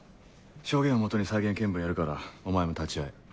証言を基に再現見分やるからお前も立ち会え。